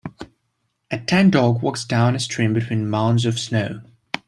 A tan dog walks down a stream between mounds of snow